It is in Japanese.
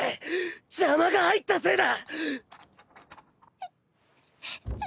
邪魔が入ったせいだ！